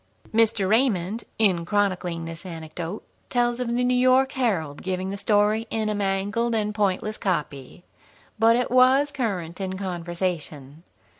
Mr. Raymond, in chronicling this anecdote, tells of the New York Herald giving the story in a mangled and pointless copy. But it was current in conversation.